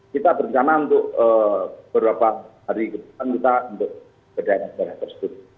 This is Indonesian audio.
kita berencana untuk beberapa hari ke depan kita untuk ke daerah daerah tersebut